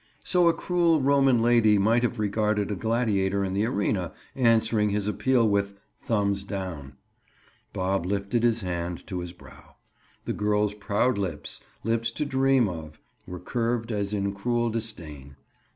So a cruel Roman lady might have regarded a gladiator in the arena, answering his appeal with "Thumbs down." Bob lifted his hand to his brow. The girl's proud lips—lips to dream of—were curved as in cruel disdain.